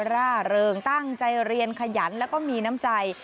ร่าเริงตั้งใจเรียนขยันแล้วก็มีน้ำใจ